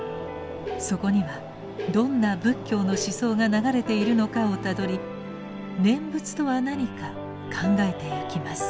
そこにはどんな仏教の思想が流れているのかをたどり念仏とは何か考えてゆきます。